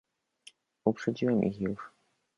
"Uprzedziłem ich już."